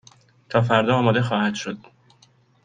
تا فردا آماده خواهد شد.